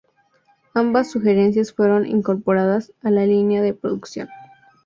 Ambas sugerencias fueron incorporadas a la línea de producción.